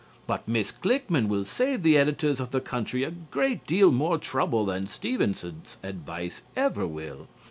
But Miss Klickmann will save the editors of the country a great deal more trouble than Stevenson's advice ever will.